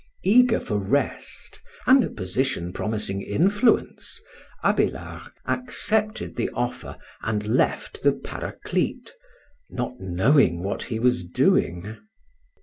Eager for rest and a position promising influence, Abélard accepted the offer and left the Paraclete, not knowing what he was doing.